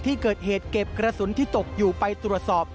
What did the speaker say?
ที่เกิดเหตุเก็บกระสุนที่ตกอยู่ไปตรวจสอบ